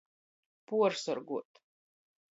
Puorsorguot.